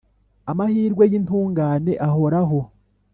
Amahirwe y’intungane ahoraho